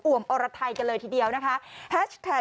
อวมอรไทยกันเลยทีเดียวนะคะ